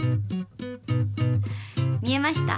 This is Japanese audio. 見えました？